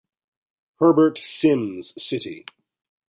Herbert Simms City